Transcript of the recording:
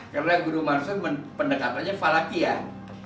karena guru mansur pendekatannya falakian